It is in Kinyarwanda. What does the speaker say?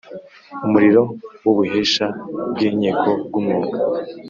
Umurimo w’ ubuhesha bw’ inkiko bw’ umwuga